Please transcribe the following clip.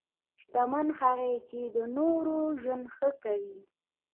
شتمن هغه دی چې د نورو ژوند ښه کوي.